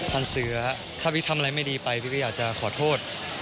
เสือถ้าพี่ทำอะไรไม่ดีไปพี่ก็อยากจะขอโทษ